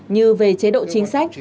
như về chế độ chính sách